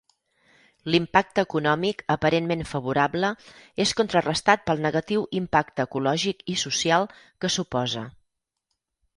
L'impacte econòmic aparentment favorable, és contrarestat pel negatiu impacte ecològic i social que suposa.